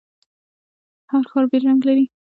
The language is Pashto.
هر ښار بیل رنګ لري.